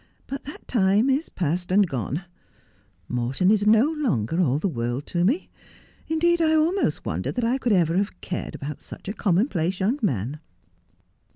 'But that time is past and gone. Morton is no longer all the world to me. Indeed 1 almost wonder that I could ever have cared about such a commonplace young man.'